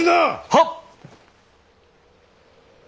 はっ！